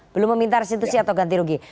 belum meminta restitusi atau ganti rugi